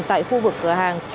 tại khu vực cửa hàng